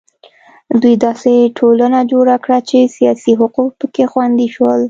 دوی داسې ټولنه جوړه کړه چې سیاسي حقوق په کې خوندي شول.